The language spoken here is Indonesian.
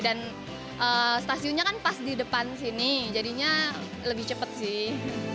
dan stasiunnya kan pas di depan sini jadinya lebih cepat sih